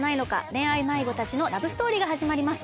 恋愛迷子たちのラブストーリーが始まります